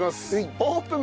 オープン！